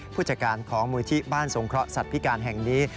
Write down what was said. ผู้จัดการของมูลที่บ้านสงเคราะสัตว์พิการแห่งนี้